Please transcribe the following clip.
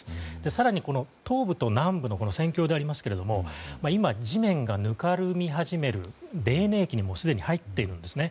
更に、東部と南部の戦況でありますけれども今、地面がぬかるみ始める泥ねい期にすでに入っているんですね。